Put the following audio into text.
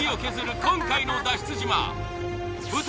今回の脱出